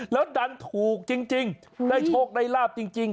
แล้วดันถูกจริงได้โชคได้ลาบจริง